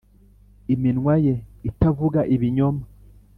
iminwa ye itavuga ibinyoma